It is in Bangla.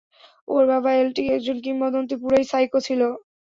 ওর বাবা এলটি একজন কিংবদন্তী, পুরাই সাইকো ছিলো।